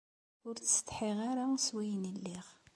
Ur ttsetḥiɣ ara s wayen ay lliɣ.